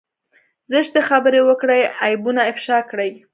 زشتې خبرې وکړي عيبونه افشا کړي.